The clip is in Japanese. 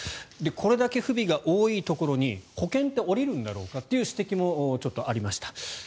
これだけ不備が多いところに保険って下りるんだろうかという指摘もちょっとありました。